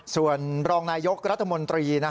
ส่วนรองนายกรัฐมนตรี